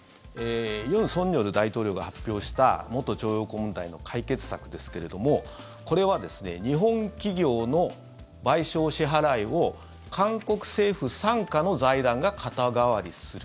尹錫悦大統領が発表した元徴用工問題の解決策ですけどもこれはですね日本企業の賠償支払いを韓国政府傘下の財団が肩代わりする。